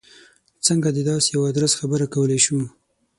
څنګه د داسې یوه ادرس خبره کولای شو.